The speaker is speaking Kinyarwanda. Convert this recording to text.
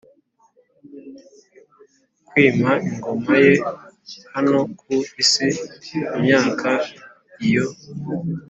kwima ingoma ye hano ku isi imyaka iyo